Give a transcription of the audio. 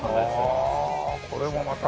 ああこれもまた。